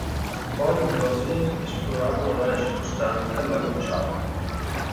Boyd e Gosling esplorarono l'area circostante al lago Chad.